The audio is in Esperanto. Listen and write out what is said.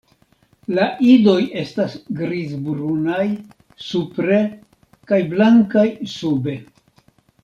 La idoj estas grizbrunaj supre kaj blankaj sube.